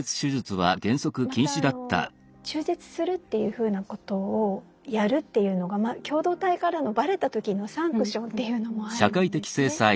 また中絶するっていうふうなことをやるっていうのが共同体からのバレた時のサンクションっていうのもあるんですね。